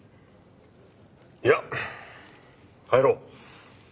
いや帰ろう。